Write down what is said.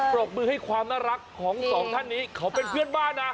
ปรบมือให้ความน่ารักของสองท่านนี้เขาเป็นเพื่อนบ้านนะ